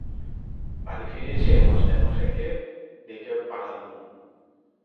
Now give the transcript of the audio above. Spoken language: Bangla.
বাড়ি ফিরে এসে মাস্টারমশায়কে ডেকে পাঠালুম।